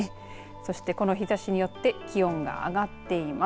そしてこの日ざしによって気温が上がっています。